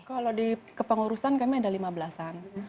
kalau di kepengurusan kami ada lima belas an